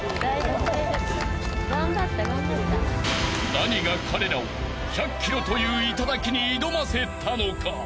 ［何が彼らを１００ｋｍという頂に挑ませたのか］